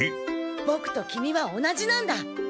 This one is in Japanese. ボクとキミは同じなんだ。